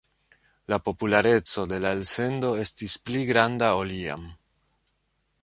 La populareco de la elsendo estis pli granda ol iam.